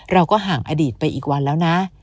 เราก็ห่างอดีตไปอีกวันแล้วนะ